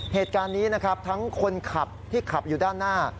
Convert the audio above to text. เหตุการณ์นี้นะครับทั้งคนขับที่ขับอยู่ด้านหน้า